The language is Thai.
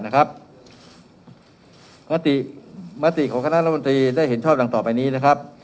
ยานะครับมาติมาติของคณะละฟันตรีได้เห็นชอบฝ่างต่อไปนี้นะครับ